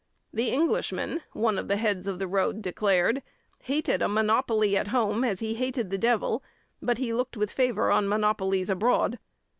The Englishman, one of the heads of the road declared, hated a monopoly at home as he hated the devil, but he looked with favour on monopolies abroad.